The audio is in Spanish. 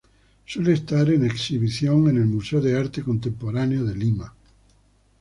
Suele estar en exhibición en el Museo de Arte Contemporáneo de Lima.